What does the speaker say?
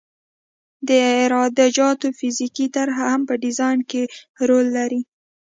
د عراده جاتو فزیکي طرح هم په ډیزاین کې رول لري